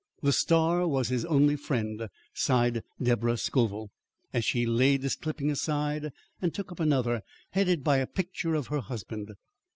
"The Star was his only friend," sighed Deborah Scoville, as she laid this clipping aside and took up another headed by a picture of her husband.